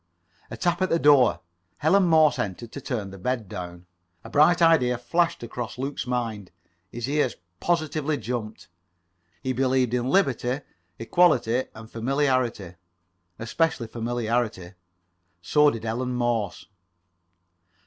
[Pg 16]A tap at the door. Ellen Morse entered to turn the bed down. A bright idea flashed across Luke's mind. His ears positively jumped. He believed in liberty, equality and familiarity, especially familiarity. So did Ellen Morse.